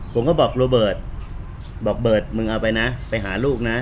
ผมก็บอกโรเบิร์ตบอกเบิร์ตมึงเอาไปนะไปหาลูกนะ